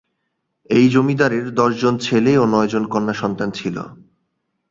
এই জমিদারের দশজন ছেলে ও নয়জন কন্যা সন্তান ছিল।